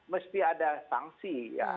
mesti ada sanksi ya